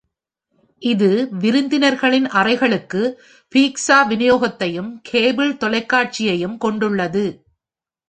இது விருந்தினர்களின் அறைகளுக்கு pizza விநியோகத்தையும் cable தொலைக்காட்சியையும் கொண்டுள்ளது.